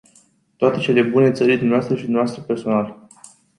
Toate cele bune țării dvs. și dvs. personal.